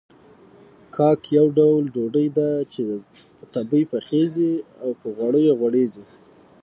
کاک يو ډول ډوډۍ ده چې په تبۍ پخېږي او په غوړيو غوړېږي.